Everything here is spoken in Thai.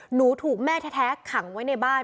หนูถูกแม่แท้ขังไว้ในบ้าน